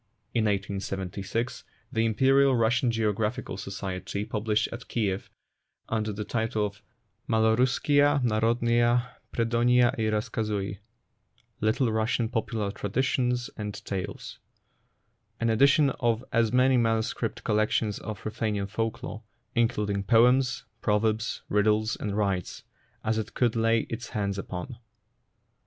In 1876 the Imperial Russian Geographical Society published at Kiev, under the title of Maloruss kiya Narodnuiya Predonyia i Razkazui (" Little Russian Popular Traditions and Tales "), an edition of as many manuscript collections of Ruthenian folk lore (in cluding poems, proverbs, riddles, and rites) as it could lay its hands upon.